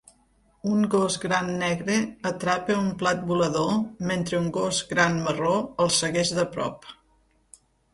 Un gos gran negre atrapa un plat volador mentre un gos gran marró el segueix de prop.